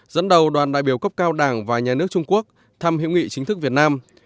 dẫn đầu đoàn đại biểu cấp cao đảng và nhà nước trung quốc thăm hữu nghị chính thức việt nam